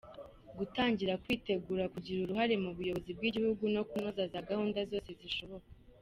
Gutangira kwitegura kugira uruhare mu buyobozi bw’igihugu no kunoza za gahunda zose zishoboka.